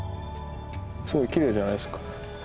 すごいきれいじゃないですか。